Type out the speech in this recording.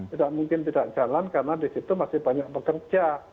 tidak mungkin tidak jalan karena di situ masih banyak pekerja